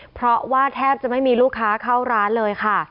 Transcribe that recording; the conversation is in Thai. เพราะว่าแทบจะไม่มีลูกค้าเข้าร้านเลยค่ะ